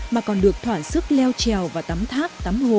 mà còn được thoản sức leo trèo và tắm thác